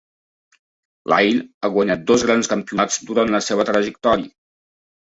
Lyle ha guanyat dos grans campionats durant la seva trajectòria.